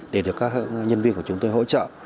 để được các nhân viên của chúng tôi hỗ trợ